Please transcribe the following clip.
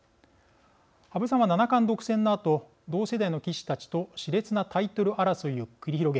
羽生さんは七冠独占のあと同世代の棋士たちとしれつなタイトル争いを繰り広げ